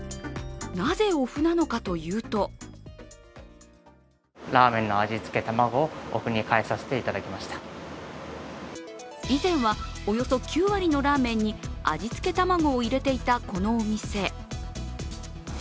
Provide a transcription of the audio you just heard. なぜ、おふなのかというと以前はおよそ９割のラーメンに味付け玉子を入れていた、このお店。